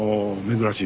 珍しい。